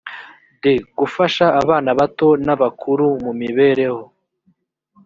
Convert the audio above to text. d gufasha abana bato n abakuru mu mibereho